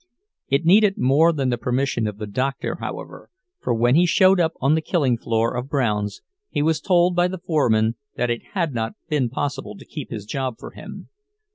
It needed more than the permission of the doctor, however, for when he showed up on the killing floor of Brown's, he was told by the foreman that it had not been possible to keep his job for him.